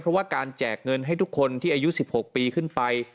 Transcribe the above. เพราะว่าการแจกเงินให้ทุกคนที่อายุ๑๖ปีขึ้นไป